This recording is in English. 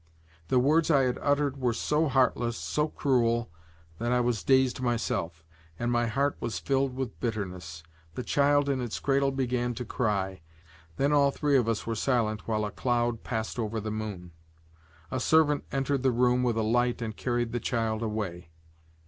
The words I had uttered were so heartless, so cruel, that I was dazed, myself, and my heart was filled with bitterness. The child in its cradle began to cry. Then all three of us were silent while a cloud passed over the moon. A servant entered the room with a light and carried the child away.